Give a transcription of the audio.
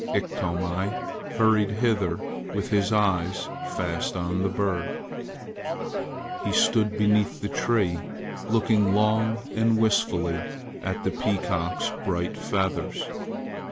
Iktomi hurried hither with his eyes fast on the bird. He stood beneath the tree looking long and wistfully at the peacock's bright feathers.